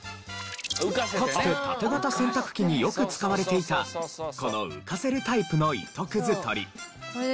かつて縦型洗濯機によく使われていたこの浮かせるタイプの糸くず取り。